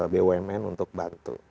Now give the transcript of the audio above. bumn untuk bantu